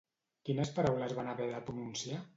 Quines paraules van haver de pronunciar?